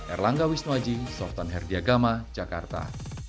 erlangga wisnuaji softan herdiagama jakarta